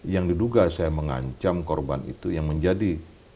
yang diduga saya mengancam korban itu yang menjadi